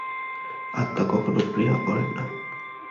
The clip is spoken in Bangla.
আত্মা কখনও ক্রিয়া করেন না।